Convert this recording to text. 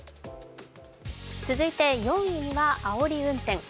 続いて４位には、あおり運転。